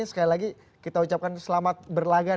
sekali lagi kita ucapkan selamat berlaga